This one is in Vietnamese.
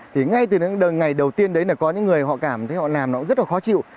thì ngay từ ngày đầu tiên đấy là có những người họ cảm thấy họ làm nó cũng rất là khó chịu